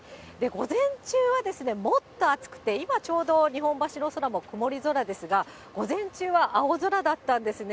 午前中はもっと暑くて、今ちょうど、日本橋の空も曇り空ですが、午前中は青空だったんですね。